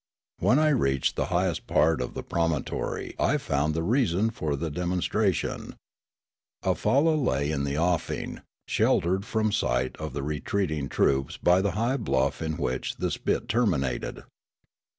When I reached the highest part Imprisonment and Escape 121 of the promontor}' I found the reason for the demon stration. A falla lay in the offing, sheltered from sight of the retreating troops by the high bluff in which the spit terminated.